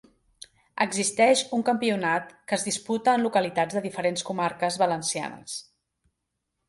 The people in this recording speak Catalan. Existeix un campionat que es disputa en localitats de diferents comarques valencianes.